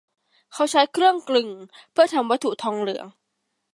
เขาใช้เครื่องกลึงเพื่อทำวัตถุทองเหลือง